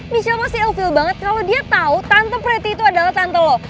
michelle masih elvil banget kalo dia tau tante preti itu adalah tante lo